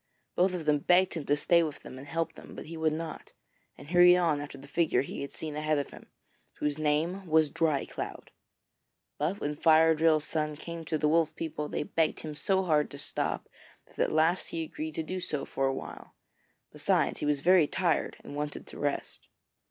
Both of them begged him to stay with them and help them, but he would not, and hurried on after the figure he had seen ahead of him, whose name was Dry cloud. But when Fire drill's son came to the Wolf people they begged him so hard to stop that at last he agreed to do so for a while; besides he was very tired, and wanted to rest.